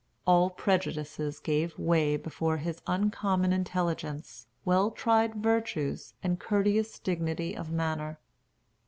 All prejudices gave way before his uncommon intelligence, well tried virtues, and courteous dignity of manner.